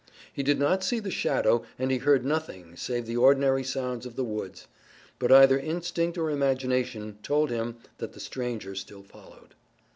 He did not see the shadow and he heard nothing save the ordinary sounds of the woods, but either instinct or imagination told him that the stranger still followed.